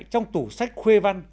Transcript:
trong tủ sách khuê văn